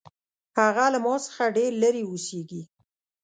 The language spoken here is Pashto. هغه له ما څخه ډېر لرې اوسیږي